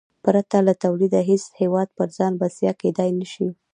پرته له تولیده هېڅ هېواد پر ځان بسیا کېدای نه شي.